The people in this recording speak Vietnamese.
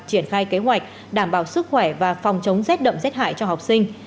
triển khai kế hoạch đảm bảo sức khỏe và phòng chống rét đậm rét hại cho học sinh